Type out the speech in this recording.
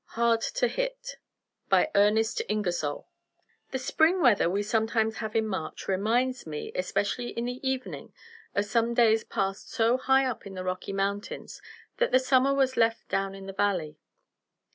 HARD TO HIT By Ernest Ingersoll The spring weather we sometimes have in March reminds me, especially in the evening, of some days passed so high up in the Rocky Mountains that the summer was left down in the valley.